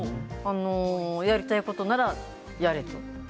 やりたいことならやれと。